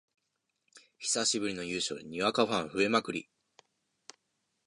久しぶりの優勝でにわかファン増えまくり